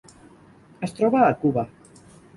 Es troba a Cuba.